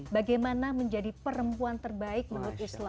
bagaimana menjadi perempuan terbaik menurut islam